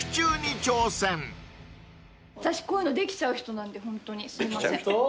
私こういうのできちゃう人なんでホントにすいません。